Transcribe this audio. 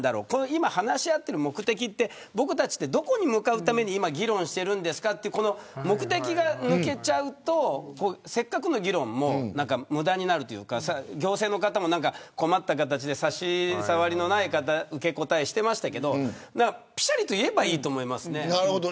今、話し合っている目的って僕たちはどこに向かうために今、議論しているんですかという目的が抜けちゃうとせっかくの議論も無駄になるというか行政の方も困った形で差し障りのない受け答えをしていましたけれどぴしゃりと言えばいいと思いますね。